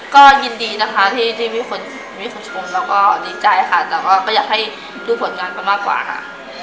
ก็ยินดีนะคะที่มีคนชมแล้วก็ดีใจค่ะแต่ก็อยากให้ดูผลงานเขามากกว่าค่ะ